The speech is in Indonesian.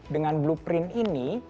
dengan blueprint ini